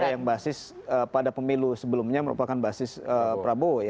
yang basis pada pemilu sebelumnya merupakan basis prabowo ya